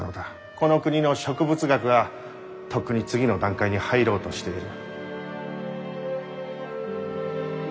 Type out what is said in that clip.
この国の植物学はとっくに次の段階に入ろうとしている。